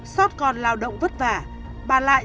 sót con lao động vất vả bà lại